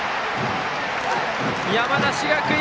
山梨学院